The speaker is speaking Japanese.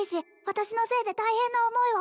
私のせいで大変な思いを